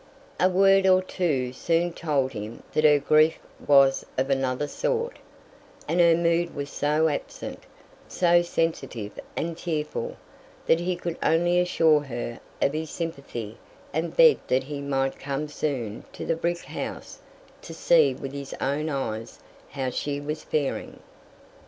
A word or two soon told him that her grief was of another sort, and her mood was so absent, so sensitive and tearful, that he could only assure her of his sympathy and beg that he might come soon to the brick house to see with his own eyes how she was faring.